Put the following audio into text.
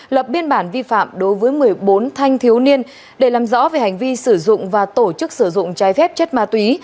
lập biên bản vi phạm đối với một mươi bốn thanh thiếu niên để làm rõ về hành vi sử dụng và tổ chức sử dụng trái phép chất ma túy